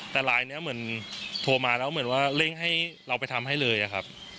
แต่ลายนี้เหมือนโทรมาแล้วเหมือนว่าเร่งให้เราไปทำให้เลยอะครับ